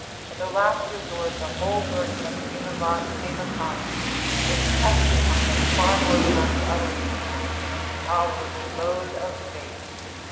In the last resort the whole burden of the human lot came upon them; it pressed upon them far more than on the others, the intolerable load of fate.